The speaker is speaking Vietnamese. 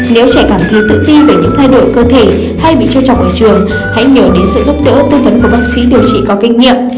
nếu trẻ cảm thấy tự ti về những thay đổi cơ thể hay bị trang trọng ở trường hãy nhờ đến sự giúp đỡ tư vấn của bác sĩ điều trị có kinh nghiệm